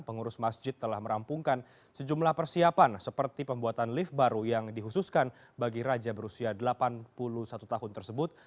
pengurus masjid telah merampungkan sejumlah persiapan seperti pembuatan lift baru yang dihususkan bagi raja berusia delapan puluh satu tahun tersebut